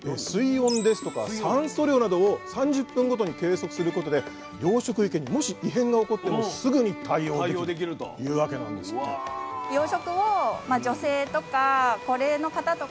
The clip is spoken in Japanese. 水温ですとか酸素量などを３０分ごとに計測することで養殖池にもし異変が起こってもすぐに対応できるというわけなんですねさあ